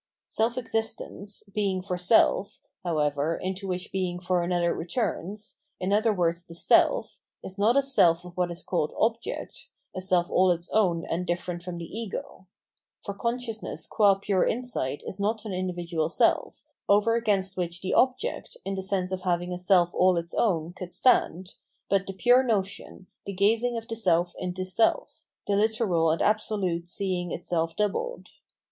Self existence, being for self, however, into which being for another returns, in other words the self, is not a self of what is called object, a self aU its own and different from the ego : for consciousness qua pure insight is not an individual self, over against which the object, in the sense of having a self aU its own, could stand, but the pure notion, the gazing of the self into self, the literal and absolute seeing itself doubled.